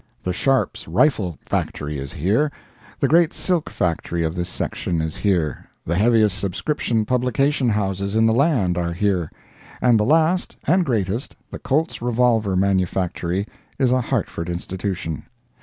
The Sharp's rifle factory is here; the great silk factory of this section is here; the heaviest subscription publication houses in the land are here; and the last, and greatest, the Colt's revolver manufactory is a Hartford institution.